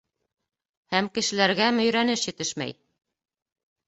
Һәм кешеләргә мөйрәнеш етешмәй.